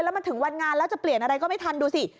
แล้วมันถึงวันงานแล้วจะเปลี่ยนอะไรก็ไม่ทันดูสิ